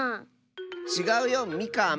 ちがうよみかん！